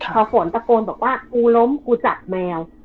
พอฝนตะโกนบอกว่ากูล้มกูจัดแมว